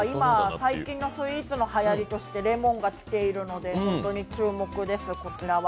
最近のスイーツのはやりとしてレモンが来ているので本当に注目です、こちらが。